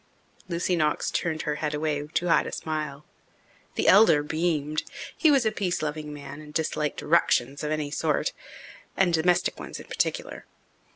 Lucy Knox turned her head away to hide a smile. The elder beamed. He was a peace loving man and disliked "ructions" of any sort and domestic ones in particular.